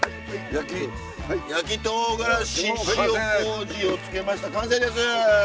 焼きとうがらし塩こうじをつけました完成です！